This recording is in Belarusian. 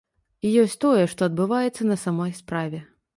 І ёсць тое, што адбываецца на самай справе.